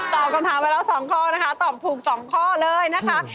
ตอบคำถามไปแล้ว๒ข้อนะคะตอบถูก๒ข้อเลยนะคะ